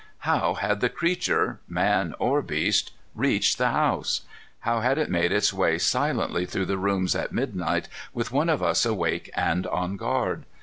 How had the creature man or beast reached the house? How had it made its way silently through the rooms at midnight, with one of us awake and on guard?